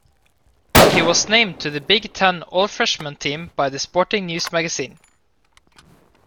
He was named to the Big Ten All-Freshman team by The Sporting News magazine.